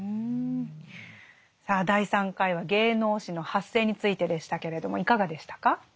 さあ第３回は芸能史の発生についてでしたけれどもいかがでしたか？